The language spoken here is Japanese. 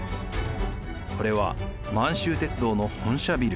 これは満州鉄道の本社ビル。